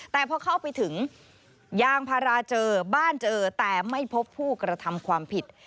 แต่พอเข้าไปถึงยางพาราเจอบ้านเจอแต่ไม่พบผู้กระทำความผิด